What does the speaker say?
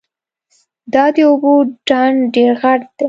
دا د اوبو ډنډ ډېر غټ ده